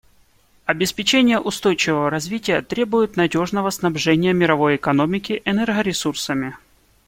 Обеспечение устойчивого развития требует надежного снабжения мировой экономики энергоресурсами.